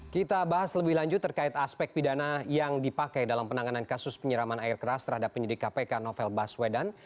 kita bahas lebih lanjut terkait aspek pidana yang dipakai dalam penanganan kasus penyiraman air keras terhadap penyidik kpk novel baswedan